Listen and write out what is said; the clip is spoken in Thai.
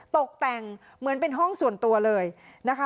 ตกแต่งเหมือนเป็นห้องส่วนตัวเลยนะคะ